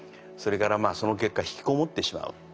それからその結果ひきこもってしまう。